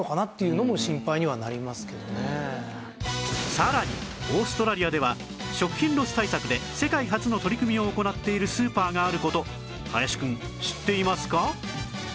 さらにオーストラリアでは食品ロス対策で世界初の取り組みを行っているスーパーがある事林くん知っていますか？